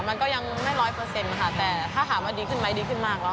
มันก็ยังไม่ร้อยเปอร์เซ็นต์ค่ะแต่ถ้าถามว่าดีขึ้นไหมดีขึ้นมากแล้ว